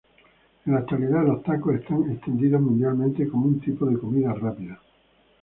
En la actualidad los tacos están extendidos mundialmente como un tipo de comida rápida.